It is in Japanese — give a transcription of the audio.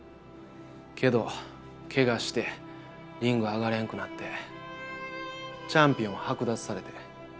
けどけがしてリング上がれんくなってチャンピオン剥奪されて。